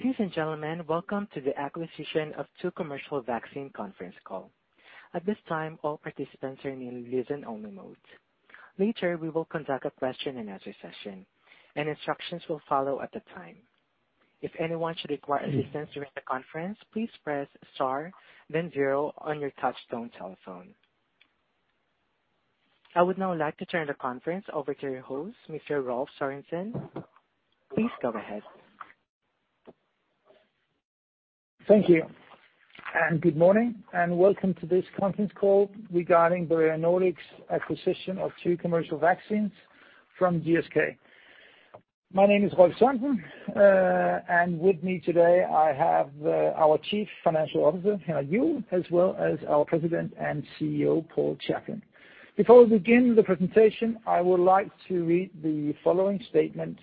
Ladies and gentlemen, welcome to the Acquisition of two Commercial Vaccine conference call. At this time, all participants are in listen-only mode. Later, we will conduct a question and answer session. Instructions will follow at the time. If anyone should require assistance during the conference, please press Star, then zero on your touchtone telephone. I would now like to turn the conference over to your host, Mr. Rolf Sørensen. Please go ahead. Thank you. Good morning, and welcome to this conference call regarding the Bavarian Nordic's acquisition of two commercial vaccines from GSK. My name is Rolf Sørensen, and with me today, I have our Chief Financial Officer, Henrik Juuel, as well as our President and CEO, Paul Chaplin. Before we begin the presentation, I would like to read the following statement.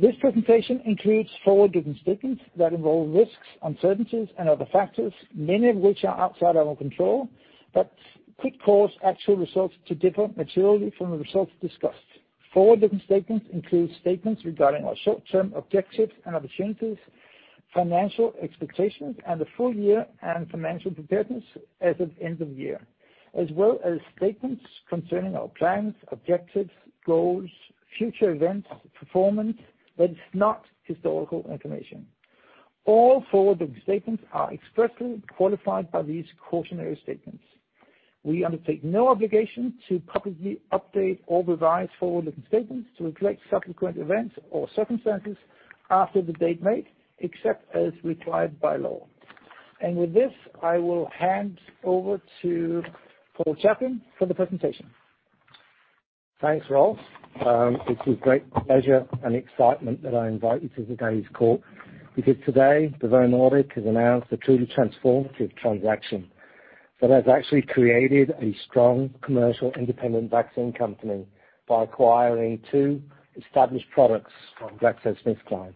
This presentation includes forward-looking statements that involve risks, uncertainties, and other factors, many of which are outside our control, but could cause actual results to differ materially from the results discussed. Forward-looking statements include statements regarding our short-term objectives and opportunities, financial expectations, and the full year and financial preparedness as of end of year, as well as statements concerning our plans, objectives, goals, future events, performance, that is not historical information. All forward-looking statements are expressly qualified by these cautionary statements. We undertake no obligation to publicly update or revise forward-looking statements to reflect subsequent events or circumstances after the date made, except as required by law. With this, I will hand over to Paul Chaplin for the presentation. Thanks, Rolf. It's with great pleasure and excitement that I invite you to today's call, because today, Bavarian Nordic has announced a truly transformative transaction that has actually created a strong commercial independent vaccine company by acquiring two established products from GlaxoSmithKline.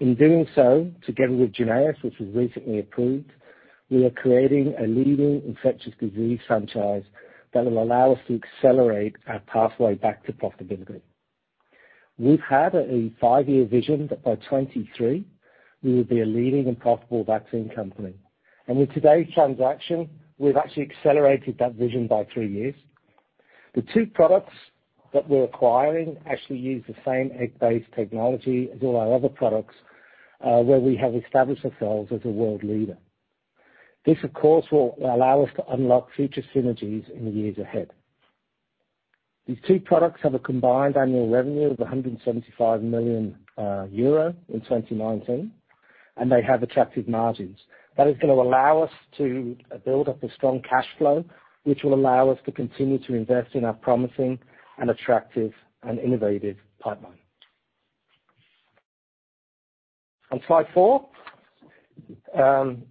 In doing so, together with JYNNEOS, which was recently approved, we are creating a leading infectious disease franchise that will allow us to accelerate our pathway back to profitability. We've had a five-year vision that by 2023, we will be a leading and profitable vaccine company. With today's transaction, we've actually accelerated that vision by three years. The two products that we're acquiring actually use the same egg-based technology as all our other products, where we have established ourselves as a world leader. This, of course, will allow us to unlock future synergies in the years ahead. These two products have a combined annual revenue of 175 million euro in 2019. They have attractive margins. That is going to allow us to build up a strong cash flow, which will allow us to continue to invest in our promising and attractive and innovative pipeline. On slide four,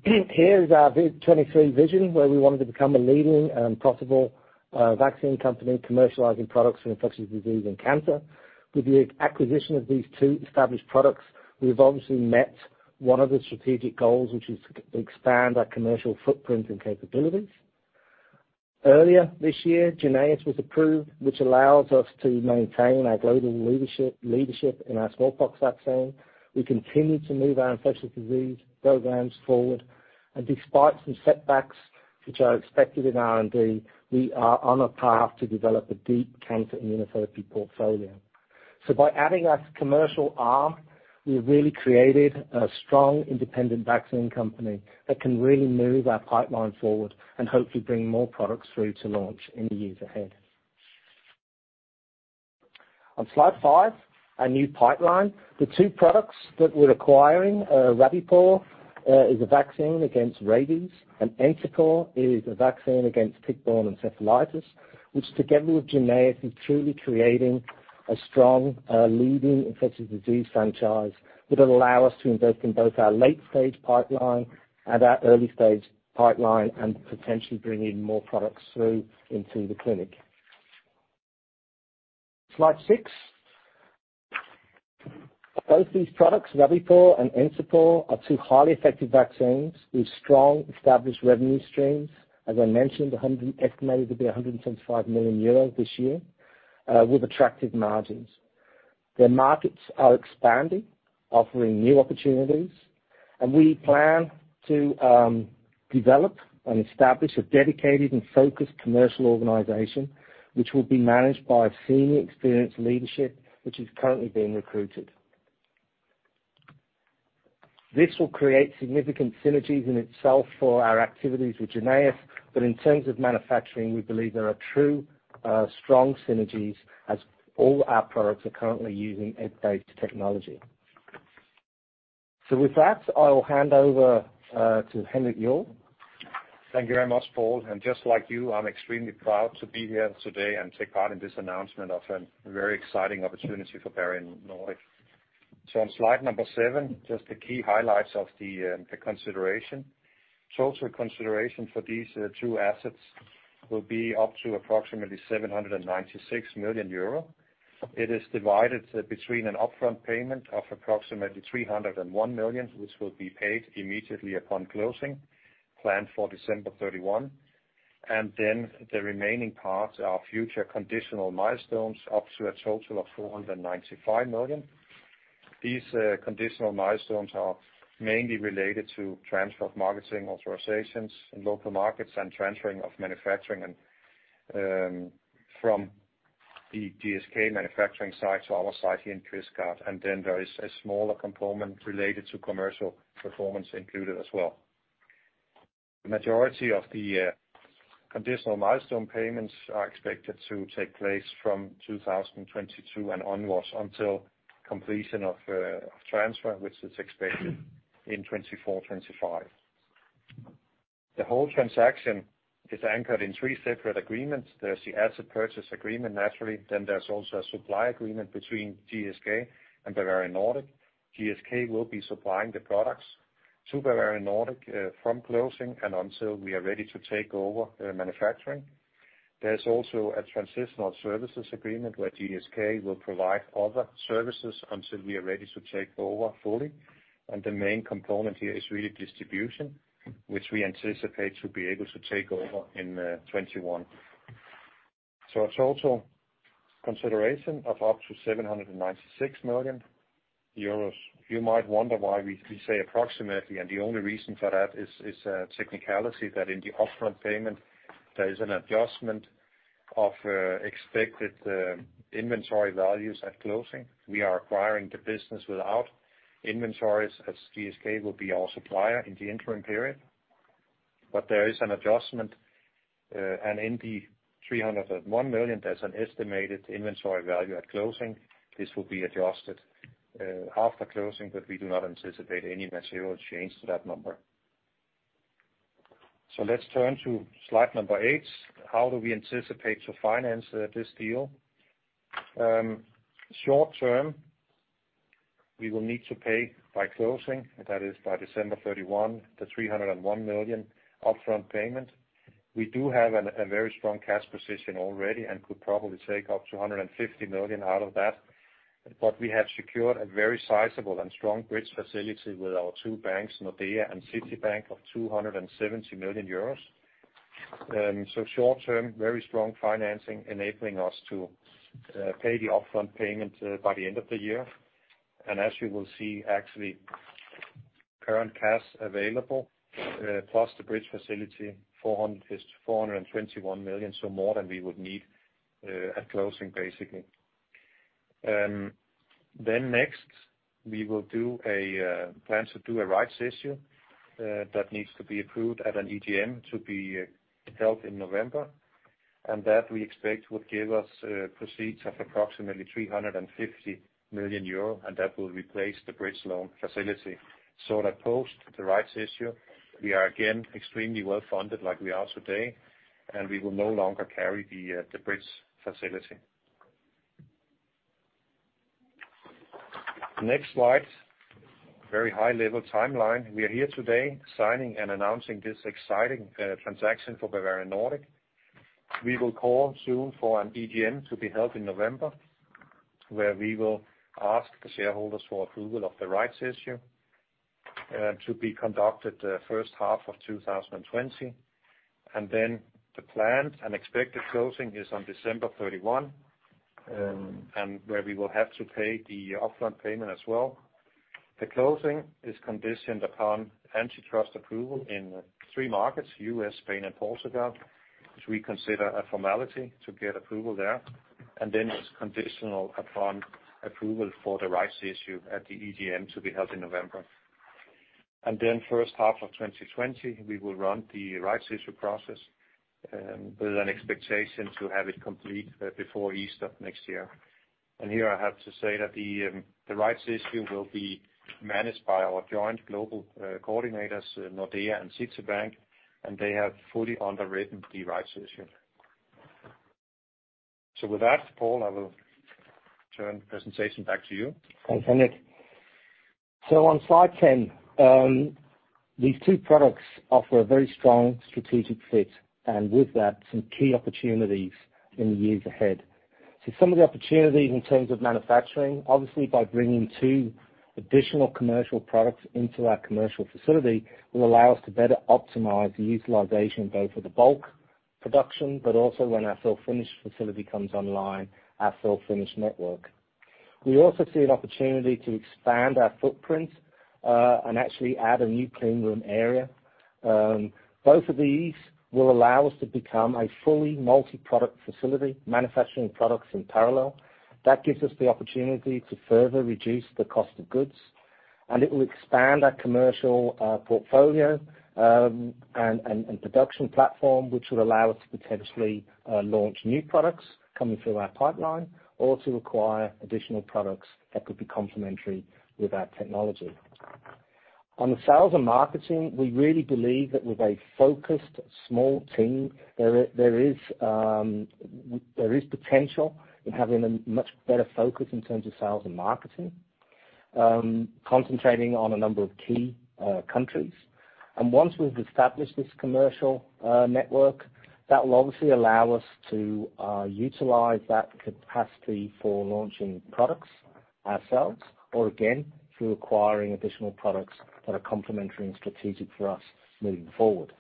here is our V23 vision, where we wanted to become a leading and profitable vaccine company, commercializing products for infectious disease and cancer. With the acquisition of these two established products, we've obviously met one of the strategic goals, which is to expand our commercial footprint and capabilities. Earlier this year, JYNNEOS was approved, which allows us to maintain our global leadership in our smallpox vaccine. We continue to move our infectious disease programs forward, and despite some setbacks, which are expected in R&D, we are on a path to develop a deep cancer immunotherapy portfolio. By adding our commercial arm, we've really created a strong, independent vaccine company that can really move our pipeline forward and hopefully bring more products through to launch in the years ahead. On slide five, our new pipeline. The two products that we're acquiring, Rabipur, is a vaccine against rabies, and Encepur is a vaccine against tick-borne encephalitis, which, together with JYNNEOS, is truly creating a strong, leading infectious disease franchise that will allow us to invest in both our late-stage pipeline and our early-stage pipeline and potentially bring in more products through into the clinic. Slide six. Both these products, Rabipur and Encepur, are two highly effective vaccines with strong established revenue streams. As I mentioned, estimated to be 175 million euros this year, with attractive margins. Their markets are expanding, offering new opportunities, and we plan to develop and establish a dedicated and focused commercial organization, which will be managed by a senior experienced leadership, which is currently being recruited. This will create significant synergies in itself for our activities with JYNNEOS, but in terms of manufacturing, we believe there are true strong synergies as all our products are currently using egg-based technology. With that, I will hand over to Henrik Juuel. Thank you very much, Paul, and just like you, I'm extremely proud to be here today and take part in this announcement of a very exciting opportunity for Bavarian Nordic. On slide number seven, just the key highlights of the consideration. Total consideration for these two assets will be up to approximately 796 million euro. It is divided between an upfront payment of approximately 301 million, which will be paid immediately upon closing, planned for December 31. The remaining parts are future conditional milestones, up to a total of 495 million. These conditional milestones are mainly related to transfer of marketing authorizations in local markets and transferring of manufacturing from the GSK manufacturing site to our site here in Kvistgård, and then there is a smaller component related to commercial performance included as well. The majority of the conditional milestone payments are expected to take place from 2022 and onwards, until completion of transfer, which is expected in 2024, 2025. The whole transaction is anchored in three separate agreements. There's the asset purchase agreement, naturally, then there's also a supply agreement between GSK and Bavarian Nordic. GSK will be supplying the products to Bavarian Nordic from closing and until we are ready to take over manufacturing. There's also a transitional services agreement, where GSK will provide other services until we are ready to take over fully, and the main component here is really distribution, which we anticipate to be able to take over in 2021. A total consideration of up to 796 million euros. You might wonder why we say approximately, and the only reason for that is a technicality that in the upfront payment, there is an adjustment of expected inventory values at closing. We are acquiring the business without inventories, as GSK will be our supplier in the interim period. There is an adjustment, and in the 301 million, there's an estimated inventory value at closing. This will be adjusted after closing, but we do not anticipate any material change to that number. Let's turn to slide number eight. How do we anticipate to finance this deal? Short-term, we will need to pay by closing, and that is by December 31, the 301 million upfront payment. We do have a very strong cash position already, and could probably take up to 150 million out of that, but we have secured a very sizable and strong bridge facility with our two banks, Nordea and Citibank, of 270 million euros. Short-term, very strong financing, enabling us to pay the upfront payment by the end of the year. As you will see, actually, current cash available plus the bridge facility, 421 million, so more than we would need at closing, basically. Next, we will do a plan to do a rights issue that needs to be approved at an EGM, to be held in November. That, we expect, would give us proceeds of approximately 350 million euro, and that will replace the bridge loan facility. That post the rights issue, we are again extremely well-funded, like we are today, and we will no longer carry the bridge facility. Next slide, very high level timeline. We are here today, signing and announcing this exciting transaction for Bavarian Nordic. We will call soon for an EGM to be held in November, where we will ask the shareholders for approval of the rights issue to be conducted first half of 2020. The planned and expected closing is on December 31, and where we will have to pay the upfront payment as well. The closing is conditioned upon antitrust approval in three markets, U.S., Spain, and Portugal, which we consider a formality to get approval there. It's conditional upon approval for the rights issue at the EGM, to be held in November. First half of 2020, we will run the rights issue process, with an expectation to have it complete before Easter of next year. I have to say that the rights issue will be managed by our joint global coordinators, Nordea and Citibank, and they have fully underwritten the rights issue. With that, Paul, I will turn the presentation back to you. Thanks, Henrik. On slide 10, these two products offer a very strong strategic fit, and with that, some key opportunities in the years ahead. Some of the opportunities in terms of manufacturing, obviously, by bringing two additional commercial products into our commercial facility, will allow us to better optimize the utilization, both for the bulk production, but also when our fill-finish facility comes online, our fill-finish network. We also see an opportunity to expand our footprint, and actually add a new clean room area. Both of these will allow us to become a fully multi-product facility, manufacturing products in parallel. That gives us the opportunity to further reduce the cost of goods, and it will expand our commercial portfolio and production platform, which will allow us to potentially launch new products coming through our pipeline or to acquire additional products that could be complementary with our technology. On the sales and marketing, we really believe that with a focused, small team, there is potential in having a much better focus in terms of sales and marketing, concentrating on a number of key countries. Once we've established this commercial network, that will obviously allow us to utilize that capacity for launching products ourselves, or again, through acquiring additional products that are complementary and strategic for us moving forward.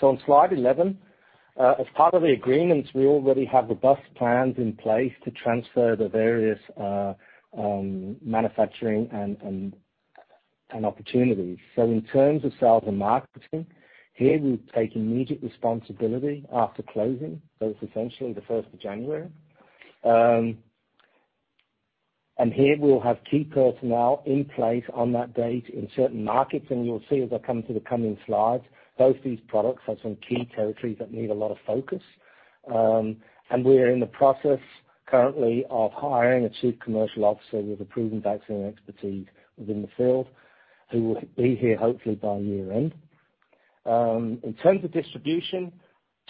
On slide 11, as part of the agreements, we already have robust plans in place to transfer the various manufacturing and opportunities. In terms of sales and marketing, here, we take immediate responsibility after closing. It's essentially the of January 1. Here, we'll have key personnel in place on that date in certain markets, and you'll see as I come to the coming slides, both these products have some key territories that need a lot of focus. We are in the process currently of hiring a chief commercial officer with a proven vaccine expertise within the field, who will be here hopefully by year-end. In terms of distribution,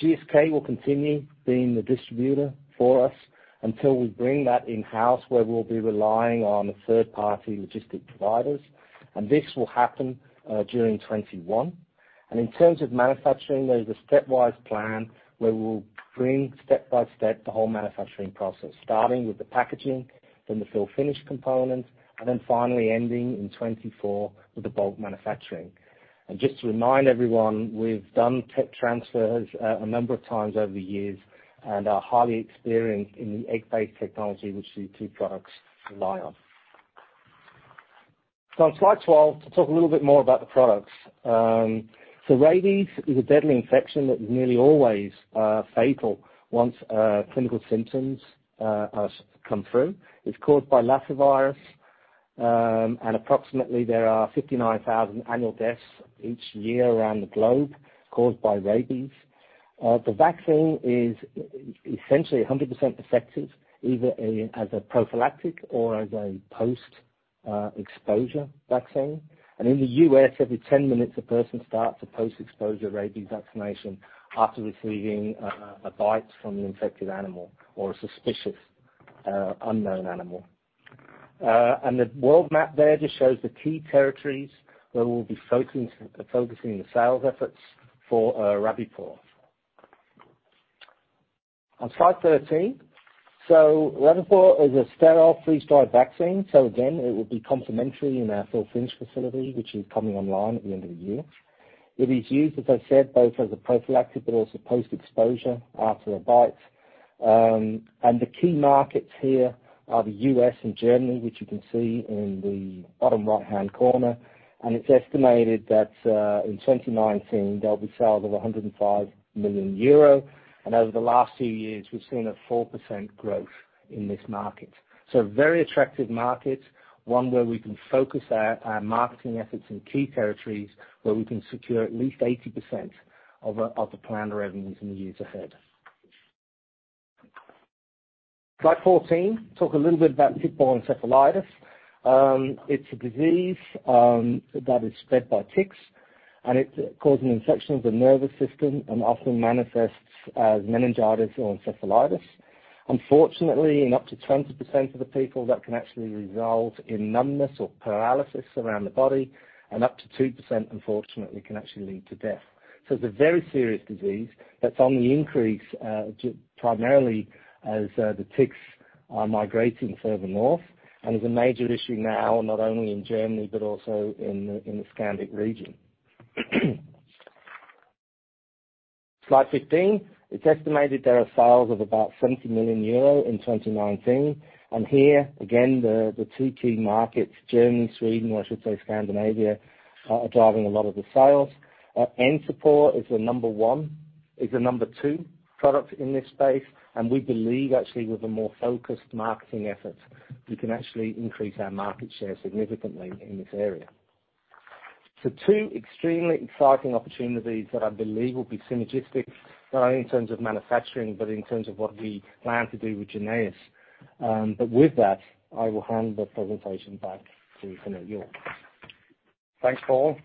GSK will continue being the distributor for us until we bring that in-house, where we'll be relying on third-party logistics providers, and this will happen during 2021. In terms of manufacturing, there is a stepwise plan where we will bring step by step, the whole manufacturing process, starting with the packaging, then the fill-finish component, and then finally ending in 2024 with the bulk manufacturing. Just to remind everyone, we've done tech transfers a number of times over the years and are highly experienced in the egg-based technology which these two products rely on. On slide 12, to talk a little bit more about the products. Rabies is a deadly infection that is nearly always fatal once clinical symptoms has come through. It's caused by lyssavirus, and approximately there are 59,000 annual deaths each year around the globe caused by rabies. The vaccine is essentially 100% effective, either as a prophylactic or as a post-exposure vaccine. In the U.S., every 10 minutes, a person starts a post-exposure rabies vaccination after receiving a bite from an infected animal or a suspicious, unknown animal. The world map there just shows the key territories where we'll be focusing the sales efforts for Rabipur. On slide 13, Rabipur is a sterile freeze-dried vaccine. Again, it will be complementary in our fill-finish facility, which is coming online at the end of the year. It is used, as I said, both as a prophylactic but also post-exposure after a bite. The key markets here are the U.S. and Germany, which you can see in the bottom right-hand corner. It's estimated that in 2019, there'll be sales of 105 million euro. Over the last few years, we've seen a 4% growth in this market. Very attractive market, one where we can focus our marketing efforts in key territories, where we can secure at least 80% of the, of the planned revenues in the years ahead. Slide 14, talk a little bit about tick-borne encephalitis. It's a disease that is spread by ticks, and it causes an infection of the nervous system and often manifests as meningitis or encephalitis. Unfortunately, in up to 20% of the people, that can actually result in numbness or paralysis around the body, and up to 2%, unfortunately, can actually lead to death. It's a very serious disease that's on the increase, primarily as the ticks are migrating further north, and is a major issue now, not only in Germany, but also in the Scandic region. Slide 15, it's estimated there are sales of about 70 million euro in 2019. Here, again, the two key markets, Germany, Sweden, or I should say Scandinavia, are driving a lot of the sales. Encepur is the number two product in this space, and we believe, actually, with a more focused marketing effort, we can actually increase our market share significantly in this area. Two extremely exciting opportunities that I believe will be synergistic, not only in terms of manufacturing, but in terms of what we plan to do with JYNNEOS. With that, I will hand the presentation back to Henrik Juuel. Thanks, Paul.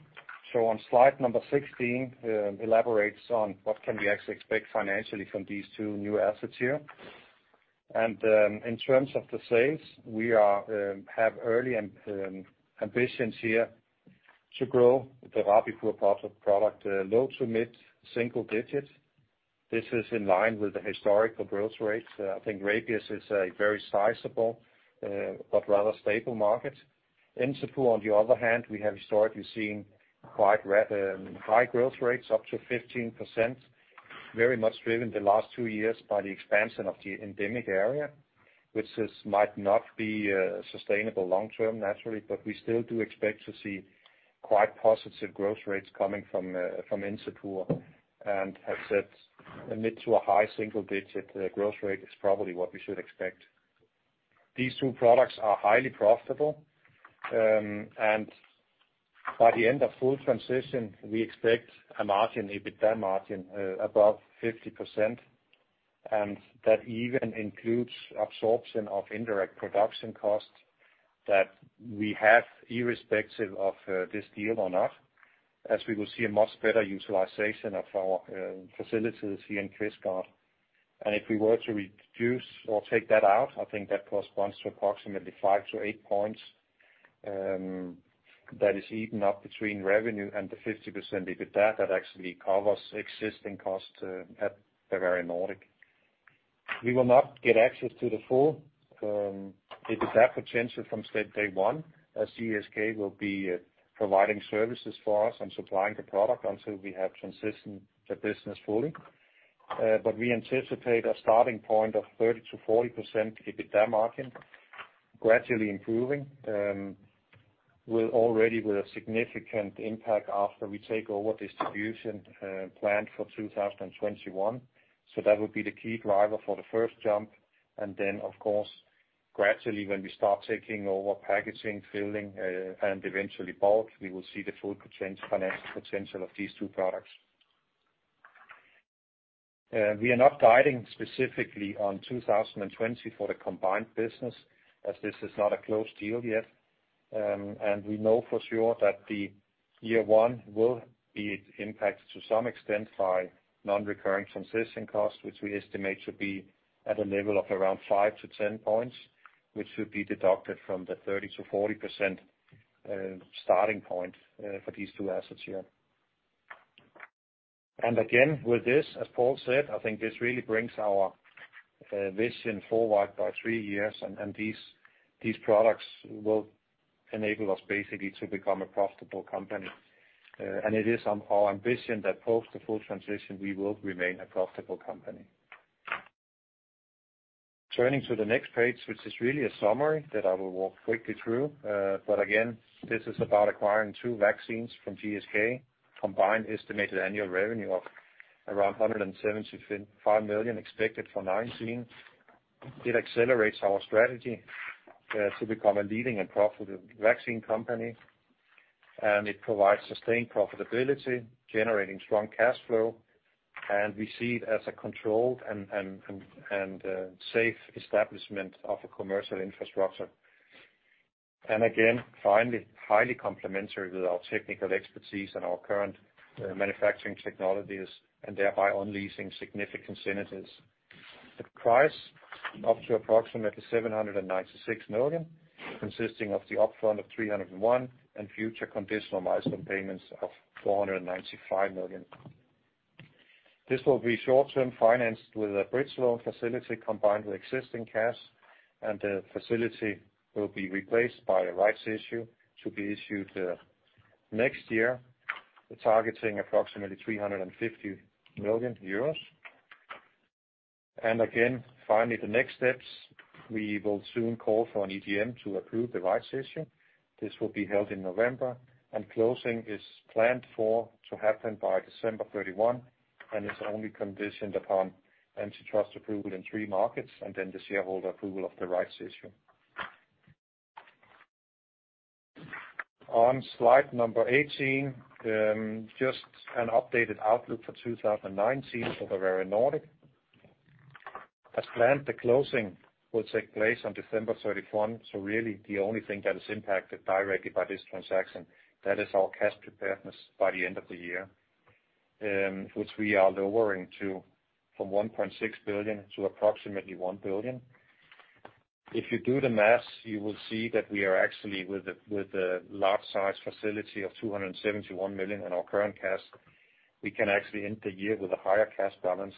On slide number 16, elaborates on what can we actually expect financially from these two new assets here. In terms of the sales, we are have early ambitions here to grow the Rabipur part of product low to mid single digits. This is in line with the historical growth rates. I think rabies is a very sizable, but rather stable market. Encepur, on the other hand, we have historically seen quite high growth rates, up to 15%, very much driven the last two years by the expansion of the endemic area, which is, might not be sustainable long term, naturally, we still do expect to see quite positive growth rates coming from Encepur, and have set a mid to a high single digit growth rate is probably what we should expect. These two products are highly profitable, by the end of full transition, we expect a margin, EBITDA margin, above 50%. That even includes absorption of indirect production costs that we have, irrespective of this deal or not, as we will see a much better utilization of our facilities here in Kvistgård. If we were to reduce or take that out, I think that corresponds to approximately five to eight points, that is even up between revenue and the 50% EBITDA that actually covers existing costs at Bavarian Nordic. We will not get access to the full EBITDA potential from step day one, as GSK will be providing services for us and supplying the product until we have transitioned the business fully. We anticipate a starting point of 30%-40% EBITDA margin gradually improving, will already with a significant impact after we take over distribution, planned for 2021. That would be the key driver for the first jump, and then of course, gradually, when we start taking over packaging, filling, and eventually bulk, we will see the full potential, financial potential of these two products. We are not guiding specifically on 2020 for the combined business, as this is not a closed deal yet. We know for sure that the year one will be impacted to some extent by non-recurring transition costs, which we estimate should be at a level of around five to ten points, which should be deducted from the 30%-40% starting point for these two assets here. Again, with this, as Paul said, I think this really brings our vision forward by three years, and these products will enable us basically to become a profitable company. It is our ambition that post the full transition, we will remain a profitable company. Turning to the next page, which is really a summary that I will walk quickly through. Again, this is about acquiring two vaccines from GSK. Combined estimated annual revenue of around 175 million expected for 2019. It accelerates our strategy to become a leading and profitable vaccine company. It provides sustained profitability, generating strong cash flow. We see it as a controlled and safe establishment of a commercial infrastructure. Again, finally, highly complementary with our technical expertise and our current manufacturing technologies, and thereby unleashing significant synergies. The price, up to approximately 796 million, consisting of the upfront of 301, and future conditional milestone payments of 495 million. This will be short-term financed with a bridge loan facility combined with existing cash, and the facility will be replaced by a rights issue to be issued next year, targeting approximately 350 million euros. Again, finally, the next steps, we will soon call for an AGM to approve the rights issue. This will be held in November, and closing is planned for to happen by December 31, and is only conditioned upon antitrust approval in three markets, and then the shareholder approval of the rights issue. On slide number 18, just an updated outlook for 2019 for Bavarian Nordic. As planned, the closing will take place on December 31, really, the only thing that is impacted directly by this transaction, that is our cash preparedness by the end of the year, which we are lowering to from 1.6 billion to approximately 1 billion. If you do the math, you will see that we are actually, with the large size facility of 271 million in our current cash, we can actually end the year with a higher cash balance.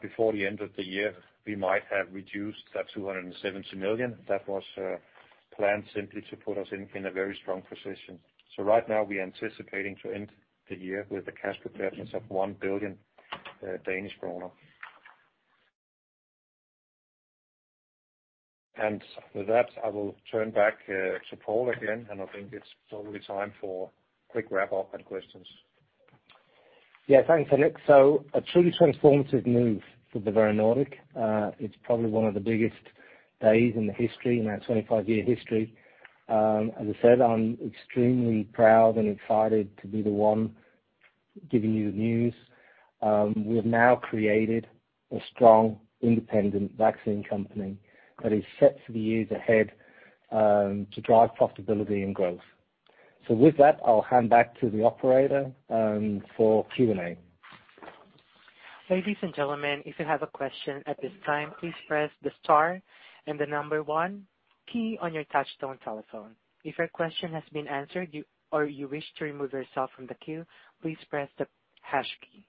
Before the end of the year, we might have reduced that 270 million. That was planned simply to put us in a very strong position. Right now we're anticipating to end the year with a cash preparedness of 1 billion Danish kroner. With that, I will turn back to Paul again, and I think it's probably time for quick wrap-up and questions. Thanks, Henrik. A truly transformative move for Bavarian Nordic. It's probably one of the biggest days in the history, in our 25-year history. As I said, I'm extremely proud and excited to be the one giving you the news. We have now created a strong, independent vaccine company that is set for the years ahead, to drive profitability and growth. With that, I'll hand back to the operator, for Q&A. Ladies and gentlemen, if you have a question at this time, please press the star and the number 1 key on your touchtone telephone. If your question has been answered you, or you wish to remove yourself from the queue, please press the hash key.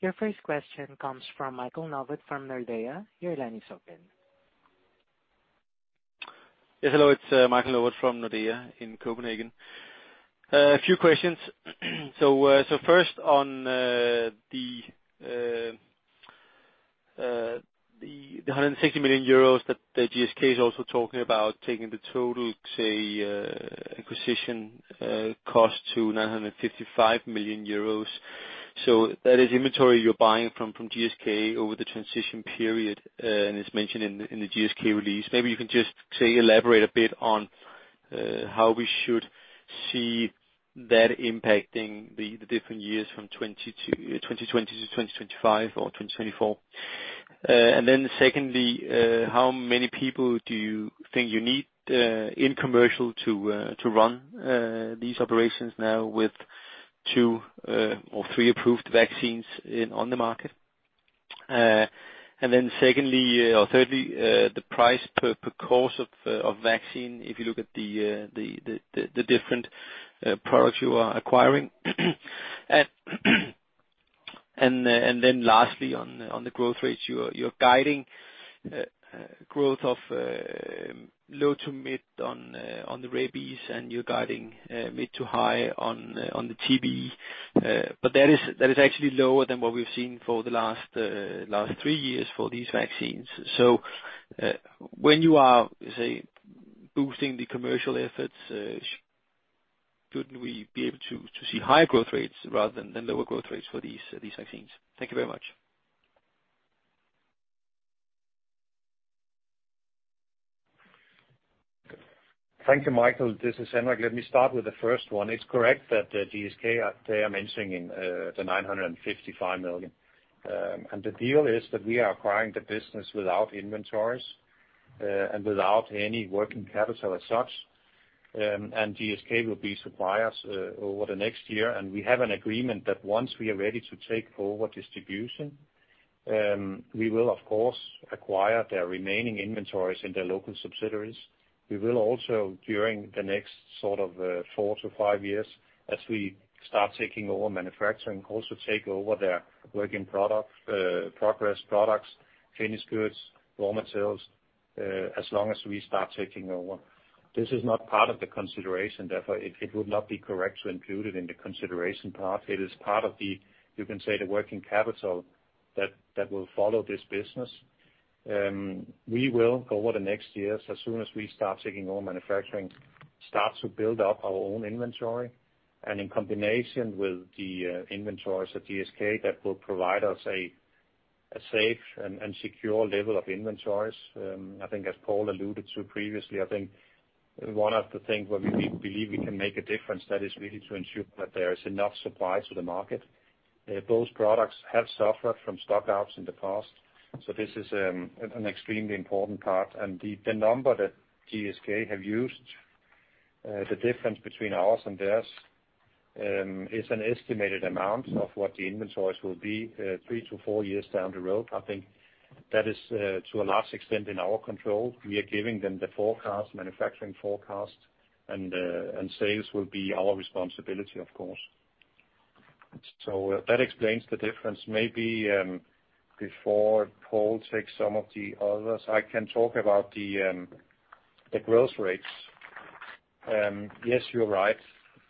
Your first question comes from Michael Novod from Nordea. Your line is open. Yes, hello, it's Michael Novod from Nordea in Copenhagen. A few questions. First on the 160 million euros that GSK is also talking about, taking the total, say, acquisition cost to 955 million euros. That is inventory you're buying from GSK over the transition period, and it's mentioned in the GSK release. Maybe you can just elaborate a bit on how we should see that impacting the different years from 2020-2025 or 2024. Secondly, how many people do you think you need in commercial to run these operations now with two or three approved vaccines on the market? Then secondly, or thirdly, the price per course of vaccine, if you look at the different products you are acquiring. Then lastly, on the growth rates, you're guiding growth of low to mid on the rabies, and you're guiding mid to high on the TBE. But that is actually lower than what we've seen for the last three years for these vaccines. When you are, say, boosting the commercial efforts, shouldn't we be able to see higher growth rates rather than lower growth rates for these vaccines? Thank you very much. Thank you, Michael. This is Henrik. Let me start with the first one. It's correct that GSK, they are mentioning the 955 million. The deal is that we are acquiring the business without inventories and without any working capital as such. GSK will be suppliers over the next year, and we have an agreement that once we are ready to take over distribution, we will of course, acquire their remaining inventories in their local subsidiaries. We will also, during the next sort of, four to five years, as we start taking over manufacturing, also take over their working products, progress products, finished goods, raw materials, as long as we start taking over. This is not part of the consideration. Therefore, it would not be correct to include it in the consideration part. It is part of the, you can say, the working capital that will follow this business. We will, over the next years, as soon as we start taking over manufacturing, start to build up our own inventory, and in combination with the inventories at GSK, that will provide us a safe and secure level of inventories. I think as Paul alluded to previously, I think one of the things where we believe we can make a difference, that is really to ensure that there is enough supply to the market. Those products have suffered from stock outs in the past. This is an extremely important part. The number that GSK have used, the difference between ours and theirs, is an estimated amount of what the inventories will be three to four years down the road. I think that is to a large extent in our control. We are giving them the forecast, manufacturing forecast, sales will be our responsibility, of course. That explains the difference. Maybe, before Paul takes some of the others, I can talk about the growth rates. Yes, you're right.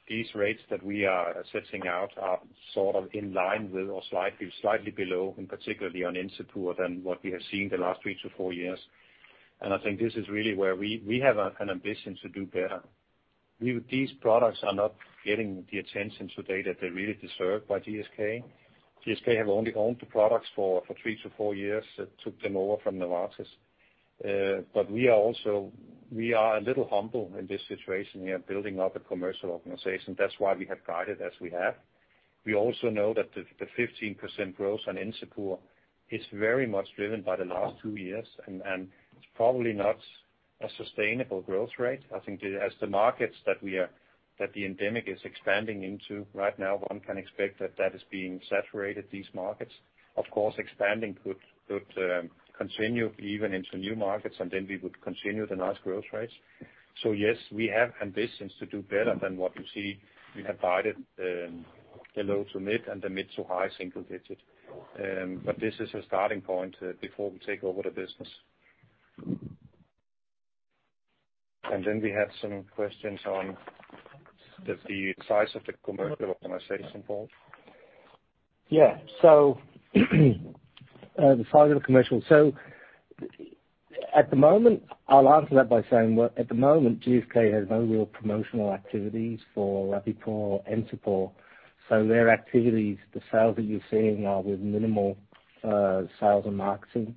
These rates that we are setting out are sort of in line with or slightly below, and particularly on Encepur, than what we have seen the last three to four years. I think this is really where we have an ambition to do better. These products are not getting the attention today that they really deserve by GSK. GSK have only owned the products for three to four years, took them over from Novartis. We are a little humble in this situation. We are building up a commercial organization. That's why we have guided as we have. We also know that the 15% growth on Encepur is very much driven by the last two years, and it's probably not a sustainable growth rate. I think as the markets that the endemic is expanding into right now, one can expect that that is being saturated, these markets. Of course, expanding could continue even into new markets, and then we would continue the nice growth rates. Yes, we have ambitions to do better than what you see. We have guided the low to mid and the mid to high single digits. This is a starting point before we take over the business. We had some questions on the size of the commercial organization, Paul? The size of the commercial. At the moment, I'll answer that by saying, well, at the moment, GSK has no real promotional activities for Rabipur or Encepur. Their activities, the sales that you're seeing are with minimal sales and marketing.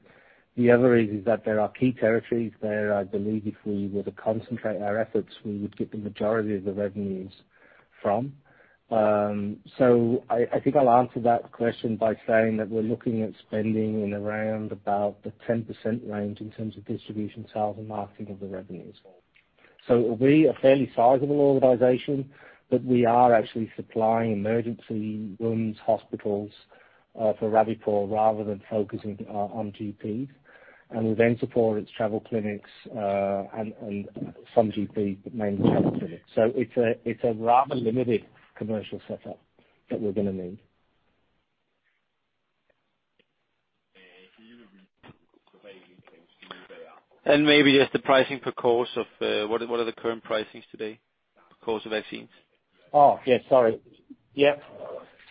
The other is that there are key territories where I believe if we were to concentrate our efforts, we would get the majority of the revenues from. I think I'll answer that question by saying that we're looking at spending in around about the 10% range in terms of distribution, sales, and marketing of the revenues. It will be a fairly sizable organization, but we are actually supplying emergency rooms, hospitals, for Rabipur rather than focusing on GPs. With Encepur, it's travel clinics, and some GPs, but mainly travel clinics. It's a rather limited commercial setup that we're going to need. Maybe just the pricing per course of. What are the current pricings today, per course of vaccines? Oh, yes. Sorry. Yep.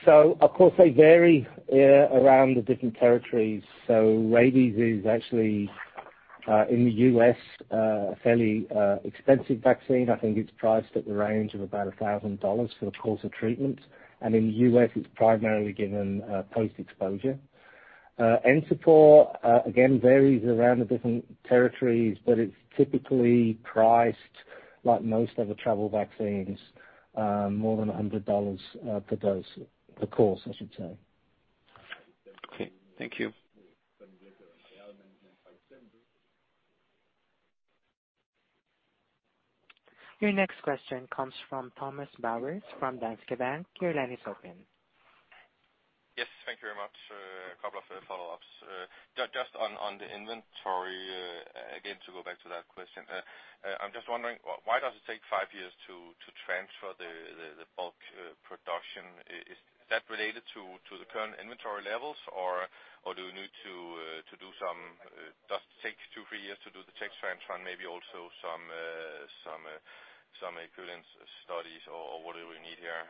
Of course, they vary around the different territories. Rabies is actually in the U.S. a fairly expensive vaccine. I think it's priced at the range of about $1,000 for the course of treatment. In the U.S., it's primarily given post-exposure. Encepur again varies around the different territories, but it's typically priced, like most other travel vaccines, more than $100 per dose. Per course, I should say. Okay. Thank you. Your next question comes from Thomas Bowers from Danske Bank. Your line is open. Yes, thank you very much. A couple of follow-ups. Just on the inventory, again, to go back to that question, I'm just wondering why does it take five years to transfer the bulk production? Is that related to the current inventory levels, or do you need to do some, just take two, three years to do the tech transfer, and maybe also some equivalent studies or whatever you need here?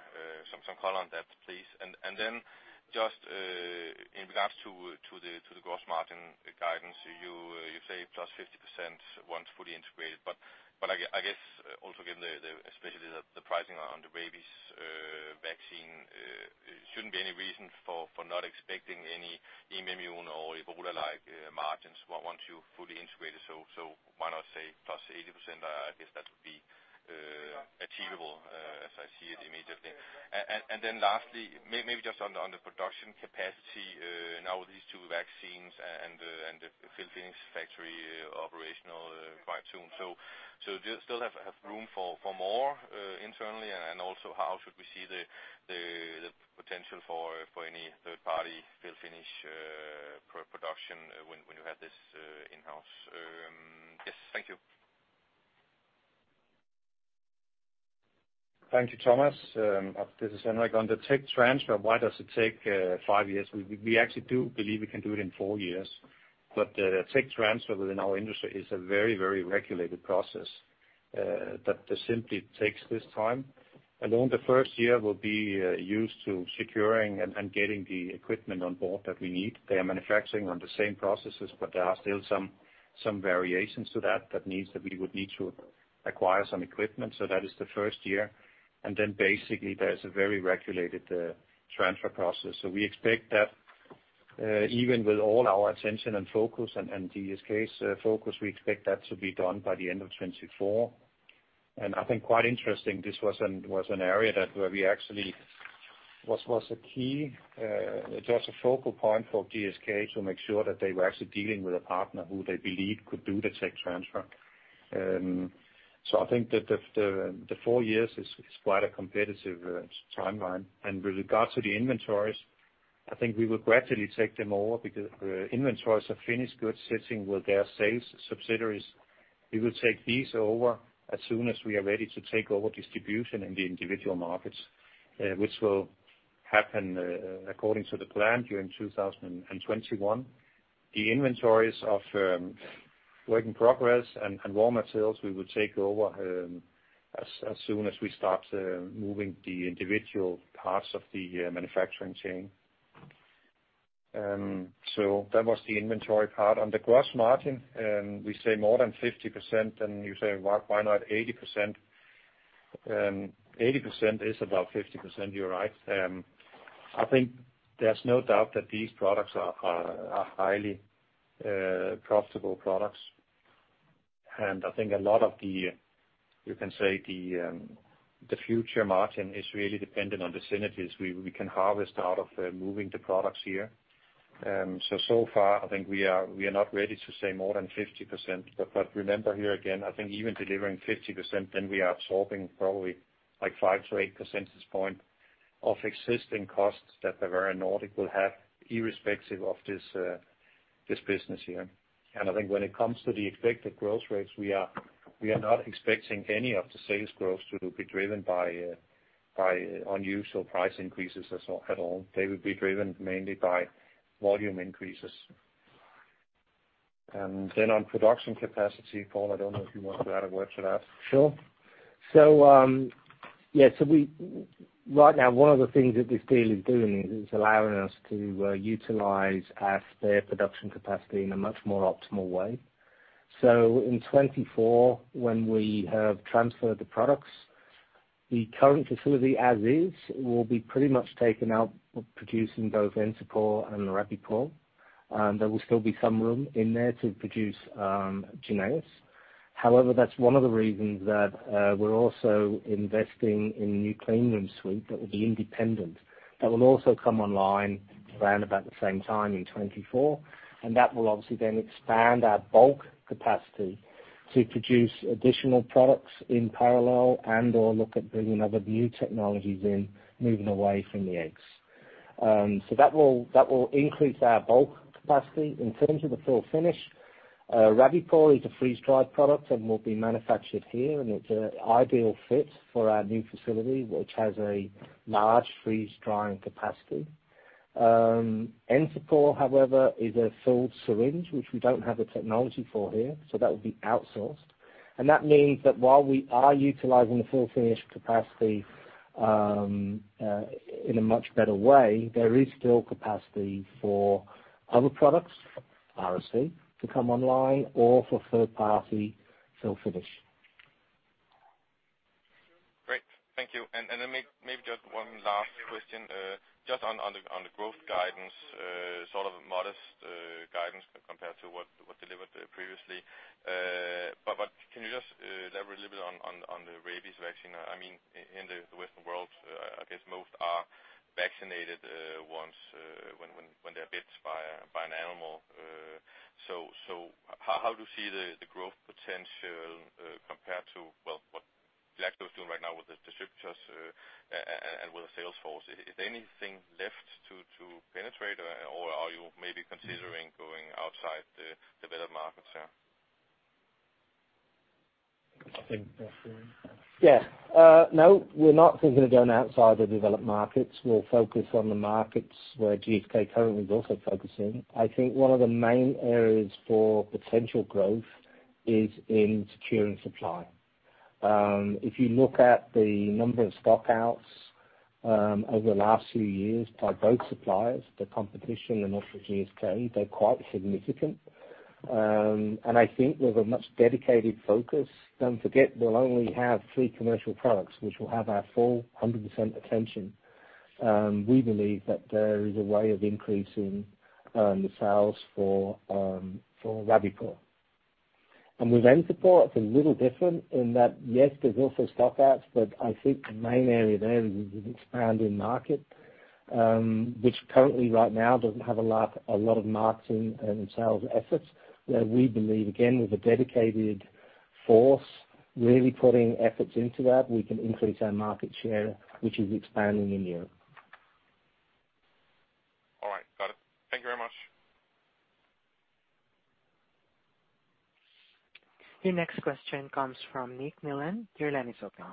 Some color on that, please. Then just in regards to the gross margin guidance, you say plus 50% once fully integrated. I guess, also given the, especially the pricing on the rabies vaccine shouldn't be any reason for not expecting any immune or Ebola-like margins once you've fully integrated. Why not say plus 80%? I guess that would be achievable as I see it immediately. Then lastly, maybe just on the production capacity, now with these two vaccines and the fill-finish factory operational quite soon. Do you still have room for more internally? Also, how should we see the potential for any third-party fill-finish production when you have this in-house? Yes, thank you. Thank you, Thomas. This is Henrik. On the tech transfer, why does it take five years? We actually do believe we can do it in four years, but tech transfer within our industry is a very, very regulated process that simply takes this time. The first year will be used to securing and getting the equipment on board that we need. They are manufacturing on the same processes, but there are still some variations to that we would need to acquire some equipment. That is the first year. Basically, there's a very regulated transfer process. We expect that, even with all our attention and focus, and GSK's focus, we expect that to be done by the end of 2024. I think quite interesting, this was an area that, where we actually was a key just a focal point for GSK to make sure that they were actually dealing with a partner who they believed could do the tech transfer. So I think that the four years is quite a competitive timeline. With regards to the inventories, I think we will gradually take them over because the inventories of finished goods sitting with their sales subsidiaries, we will take these over as soon as we are ready to take over distribution in the individual markets, which will happen according to the plan during 2021. The inventories of work in progress and raw materials, we will take over as soon as we start moving the individual parts of the manufacturing chain. That was the inventory part. On the gross margin, we say more than 50%, you say, "Well, why not 80%?" 80% is about 50%, you're right. I think there's no doubt that these products are highly profitable products. I think a lot of the future margin is really dependent on the synergies we can harvest out of moving the products here. So far, I think we are not ready to say more than 50%, but remember here again, I think even delivering 50%, then we are absorbing probably like five to eight percentage point of existing costs that Bavarian Nordic will have, irrespective of this business here. I think when it comes to the expected growth rates, we are not expecting any of the sales growth to be driven by unusual price increases as well at all. They would be driven mainly by volume increases. On production capacity, Paul, I don't know if you want to add a word to that? Sure. Right now, one of the things that this deal is doing is allowing us to utilize our spare production capacity in a much more optimal way. In 2024, when we have transferred the products, the current facility, as is, will be pretty much taken out of producing both Encepur and Rabipur, and there will still be some room in there to produce JYNNEOS. However, that's one of the reasons that we're also investing in new clean room suite that will be independent. That will also come online around about the same time, in 2024, and that will obviously then expand our bulk capacity to produce additional products in parallel and/or look at bringing other new technologies in, moving away from the eggs. That will increase our bulk capacity. In terms of the fill-finish, Rabipur is a freeze-dried product and will be manufactured here, and it's an ideal fit for our new facility, which has a large freeze-drying capacity. Encepur, however, is a filled syringe, which we don't have the technology for here, so that will be outsourced. That means that while we are utilizing the fill-finish capacity in a much better way, there is still capacity for other products, RSV, to come online or for third-party fill-finish. Great. Thank you. Then maybe just one last question, just on the growth guidance, sort of modest guidance compared to what delivered previously. But can you just elaborate a little bit on the rabies vaccine? I mean, in the Western world, I guess most are vaccinated once when they're bitten by an animal. So how do you see the growth potential compared to, well, what Black is doing right now with the distributors and with the sales force? Is there anything left to penetrate, or are you maybe considering going outside the developed markets there? I think, yes. Yes. No, we're not thinking of going outside the developed markets. We'll focus on the markets where GSK currently is also focusing. I think one of the main areas for potential growth is in securing supply. If you look at the number of stock-outs over the last few years by both suppliers, the competition, and also GSK, they're quite significant. I think with a much dedicated focus, don't forget, we'll only have three commercial products, which will have our full 100% attention, we believe that there is a way of increasing the sales for Rabipur. With Encepur, it's a little different in that, yes, there's also stock-outs, but I think the main area there is an expanding market, which currently right now doesn't have a lot of marketing and sales efforts. We believe, again, with a dedicated force, really putting efforts into that, we can increase our market share, which is expanding in Europe. All right. Got it. Thank you very much. Your next question comes from Niklas Mallin. Your line is open.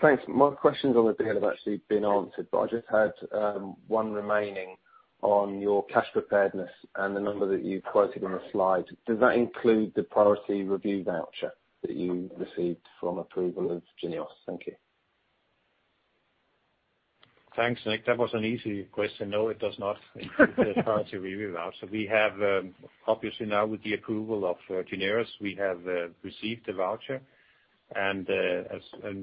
Thanks. My questions on the deal have actually been answered. I just had one remaining on your cash preparedness and the number that you quoted on the slide. Does that include the priority review voucher that you received from approval of JYNNEOS? Thank you. Thanks, Nick. That was an easy question. No, it does not include the priority review voucher. We have, obviously, now with the approval of JYNNEOS, we have received the voucher, and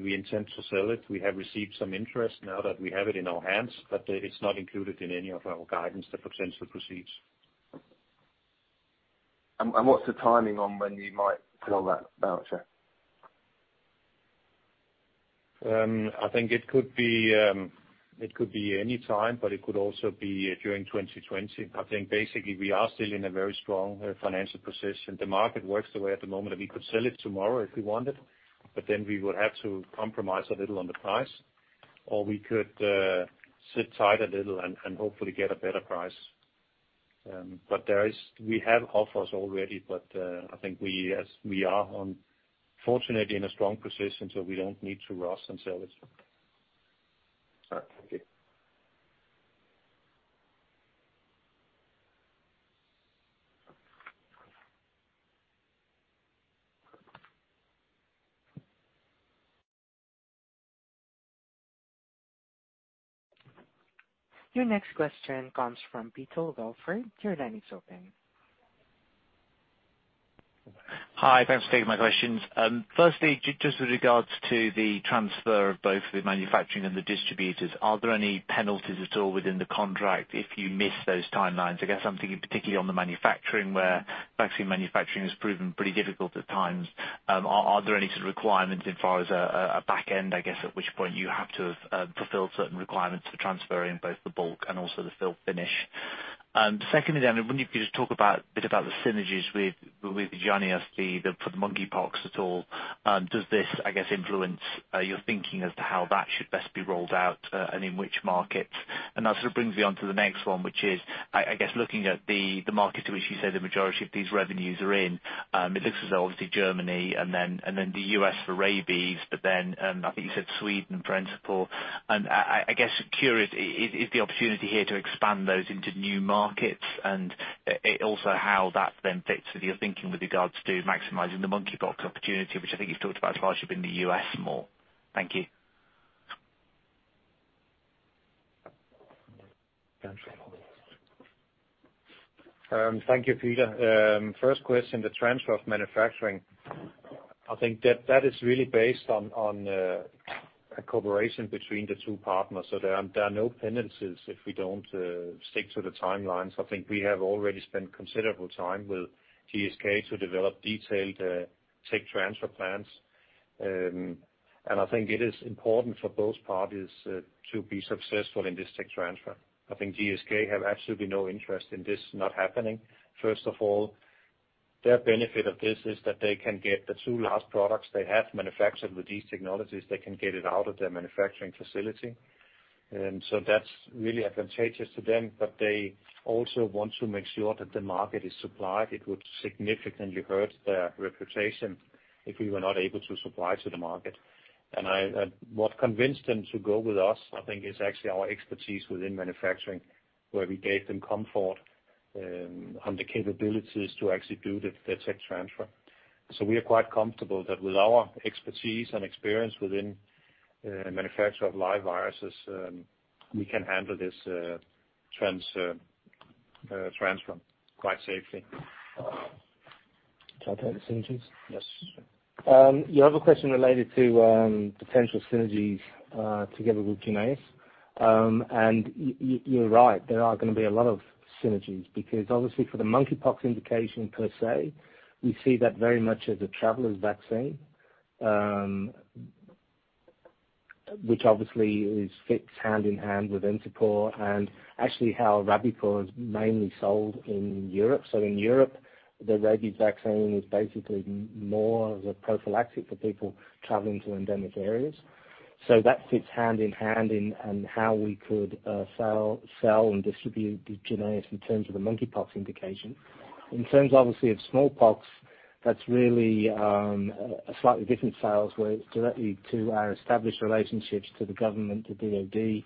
we intend to sell it. We have received some interest now that we have it in our hands, but it's not included in any of our guidance, the potential proceeds. What's the timing on when you might sell that voucher? I think it could be any time, it could also be during 2020. I think basically, we are still in a very strong financial position. The market works the way at the moment, we could sell it tomorrow if we wanted, we would have to compromise a little on the price. We could sit tight a little and hopefully get a better price. We have offers already, I think we, as we are on, fortunately, in a strong position, we don't need to rush and sell it. All right. Thank you. Your next question comes from Peter Welford. Your line is open. Hi, thanks for taking my questions. firstly, just with regards to the transfer of both the manufacturing and the distributors, are there any penalties at all within the contract if you miss those timelines? I guess I'm thinking particularly on the manufacturing, where vaccine manufacturing has proven pretty difficult at times. are there any sort of requirements as far as a back end, I guess, at which point you have to fulfill certain requirements for transferring both the bulk and also the fill finish? Secondly, I wonder if you could just talk about, a bit about the synergies with JYNNEOS for the monkeypox at all. does this, I guess, influence your thinking as to how that should best be rolled out and in which markets? That sort of brings me on to the next one, which is, I guess, looking at the market in which you say the majority of these revenues are in, it looks as though obviously Germany, and then, and then the US for rabies, but then, I think you said Sweden for Encepur. I guess curious, is the opportunity here to expand those into new markets? Also, how that then fits with your thinking with regards to maximizing the monkeypox opportunity, which I think you've talked about largely being the US more? Thank you. Thank you, Peter. First question, the transfer of manufacturing. I think that that is really based on a cooperation between the two partners. There are no penalties if we don't stick to the timelines. I think we have already spent considerable time with GSK to develop detailed tech transfer plans. I think it is important for both parties to be successful in this tech transfer. I think GSK have absolutely no interest in this not happening. First of all, their benefit of this is that they can get the two last products they have manufactured with these technologies, they can get it out of their manufacturing facility. That's really advantageous to them, but they also want to make sure that the market is supplied. It would significantly hurt their reputation if we were not able to supply to the market. What convinced them to go with us, I think, is actually our expertise within manufacturing, where we gave them comfort on the capabilities to actually do the tech transfer. We are quite comfortable that with our expertise and experience within manufacture of live viruses, we can handle this transfer quite safely. Shall I take the synergies? Yes. You have a question related to potential synergies together with JYNNEOS. You're right, there are gonna be a lot of synergies, because obviously for the monkeypox indication per se, we see that very much as a traveler's vaccine. Which obviously is fits hand in hand with Encepur and actually how Rabipur is mainly sold in Europe. In Europe, the rabies vaccine is basically more of a prophylactic for people traveling to endemic areas. That fits hand in hand, and how we could sell and distribute the JYNNEOS in terms of the monkeypox indication. In terms, obviously, of smallpox, that's really a slightly different sales, where it's directly to our established relationships to the government, to DOD.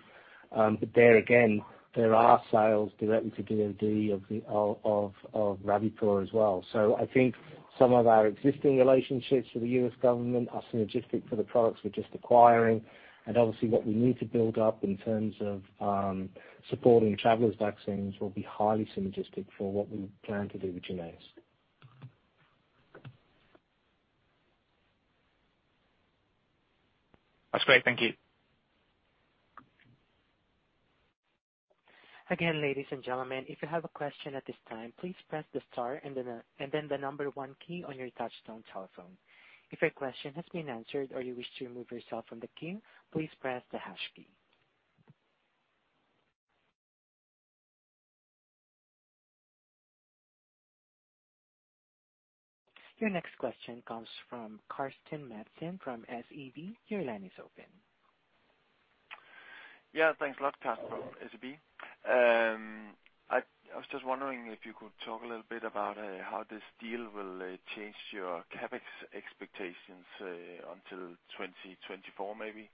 There again, there are sales directly to DOD of the Rabipur as well. I think some of our existing relationships with the U.S. government are synergistic for the products we're just acquiring, obviously, what we need to build up in terms of supporting travelers vaccines will be highly synergistic for what we plan to do with JYNNEOS. That's great. Thank you. Again, ladies and gentlemen, if you have a question at this time, please press the star and then the number one key on your touchtone telephone. If your question has been answered or you wish to remove yourself from the queue, please press the hash key. Your next question comes from Carsten Madsen from SEB. Your line is open. Yeah, thanks a lot. Carsten from SEB. I was just wondering if you could talk a little bit about how this deal will change your CapEx expectations until 2024, maybe?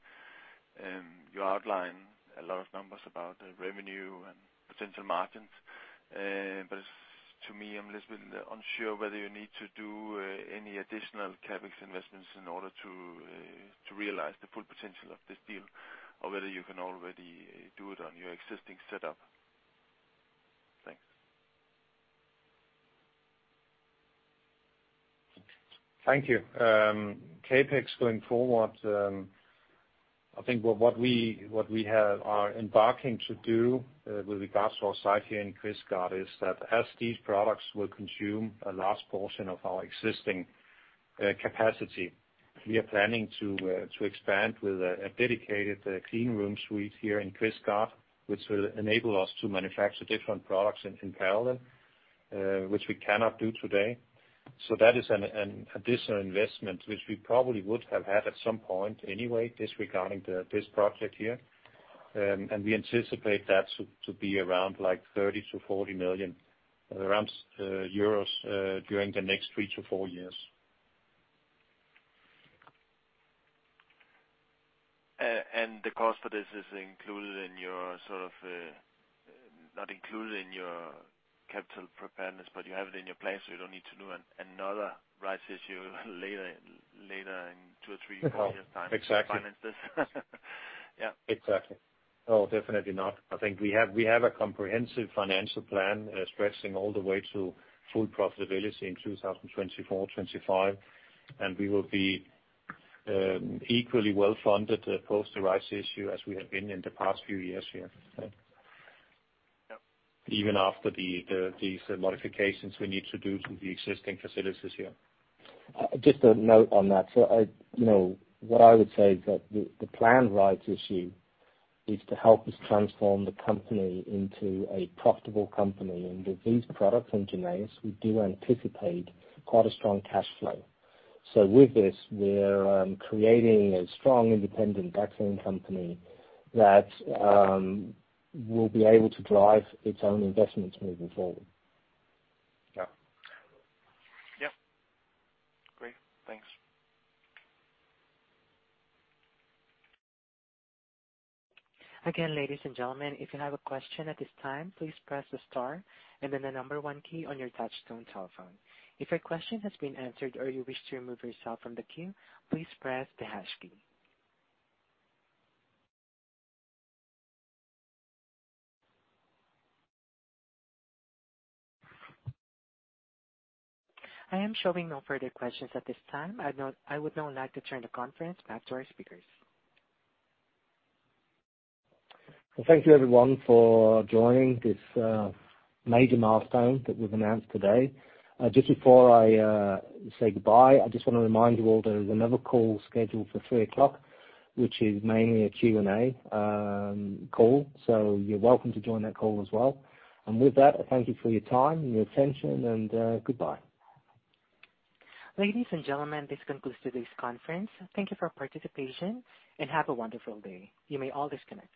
You outlined a lot of numbers about the revenue and potential margins, but to me, I'm a little bit unsure whether you need to do any additional CapEx investments in order to realize the full potential of this deal, or whether you can already do it on your existing setup. Thanks. Thank you. CapEx going forward, I think what we are embarking to do with regards to our site here in Kvistgård, is that as these products will consume a large portion of our existing capacity, we are planning to expand with a dedicated clean room suite here in Kvistgård, which will enable us to manufacture different products in parallel, which we cannot do today. That is an additional investment, which we probably would have had at some point anyway, disregarding this project here. We anticipate that to be around, like, 30 million-40 million euros during the next three to four years. The cost for this is included in your sort of, not included in your capital preparedness, but you have it in your plans, so you don't need to do another rights issue later in 2 or 3 years' time. Exactly. To finance this. Yeah. Exactly. No, definitely not. I think we have a comprehensive financial plan stressing all the way to full profitability in 2024, 2025. We will be equally well funded post the rights issue as we have been in the past few years here. Yep. Even after the these modifications we need to do to the existing facilities here. Just a note on that. You know, what I would say is that the planned rights issue is to help us transform the company into a profitable company, and with these products from JYNNEOS, we do anticipate quite a strong cash flow. With this, we're creating a strong independent vaccine company that will be able to drive its own investments moving forward. Yeah. Yep. Great. Thanks. Again, ladies and gentlemen, if you have a question at this time, please press the star and then the number one key on your touchtone telephone. If your question has been answered or you wish to remove yourself from the queue, please press the hash key. I am showing no further questions at this time. I would now like to turn the conference back to our speakers. Well, thank you, everyone, for joining this major milestone that we've announced today. Just before I say goodbye, I just want to remind you all there is another call scheduled for 3:00 P.M., which is mainly a Q&A call. You're welcome to join that call as well. With that, thank you for your time and your attention, and goodbye. Ladies and gentlemen, this concludes today's conference. Thank you for your participation, and have a wonderful day. You may all disconnect.